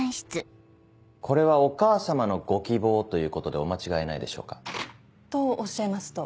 これはお母様のご希望ということでお間違いないでしょうか。とおっしゃいますと？